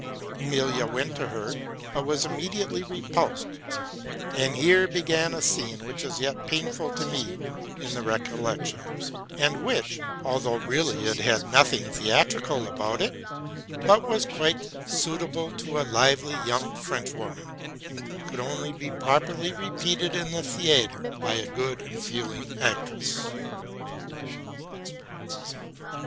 Emilia went to her, but was immediately repulsed; and here began a scene which is yet painful to me in the recollection, and which, although really it had nothing theatrical about it, but was quite suitable to a lively young Frenchwoman, could only be properly repeated in the theatre by a good and feeling actress.